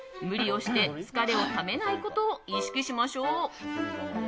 無理をして疲れをためないことを意識しましょう。